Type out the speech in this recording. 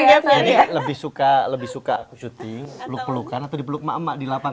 jadi lebih suka syuting peluk pelukan atau dipeluk mak mak di lapangan